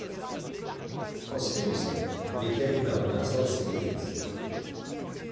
Posthumously, he became known as "Alcibiades".